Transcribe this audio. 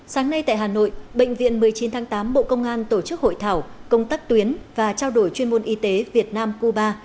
sáng nay tại hà nội bệnh viện một mươi chín tháng tám bộ công an tổ chức hội thảo công tác tuyến và trao đổi chuyên môn y tế việt nam cuba